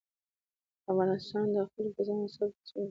د افغانستان خلک په زغم، صبر او په مصیبتونو کې د استقامت خاوندان دي.